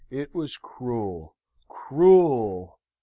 It was cruel! cruel!